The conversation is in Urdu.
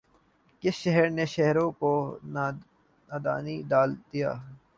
کس شہر نہ شہرہ ہوا نادانئ دل کا